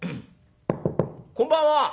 こんばんは」。